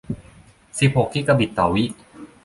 สิบหกกิกะบิตต่อวิ